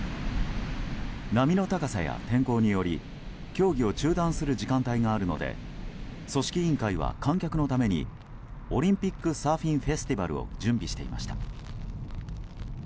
波の高さや天候により競技を中断する時間帯があるので組織委員会は観客のためにオリンピックサーフィンフェスティバルを準備していました。